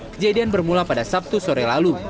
kejadian bermula pada sabtu sore lalu